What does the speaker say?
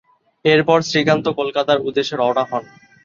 এরপর শ্রীকান্ত কলকাতার উদ্দেশে রওনা হন।